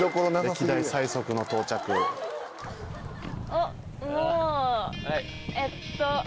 あっもうえっと。